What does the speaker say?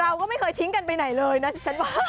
เราก็ไม่เคยทิ้งกันไปไหนเลยนะที่ฉันว่า